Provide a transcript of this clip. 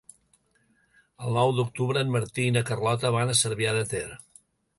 El nou d'octubre en Martí i na Carlota van a Cervià de Ter.